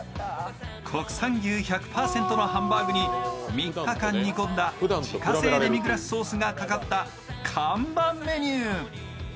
国産牛１００％のハンバーグに３日間煮込んだ自家製デミグラスソースがかかった看板メニュー。